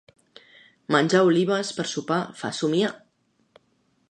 Menjar olives per sopar fa somniar.